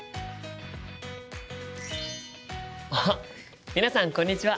あっ皆さんこんにちは！